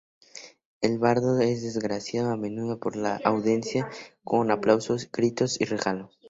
El bardo es agradecido a menudo por la audiencia con aplausos, gritos y regalos.